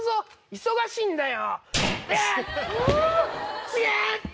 忙しいんだよ。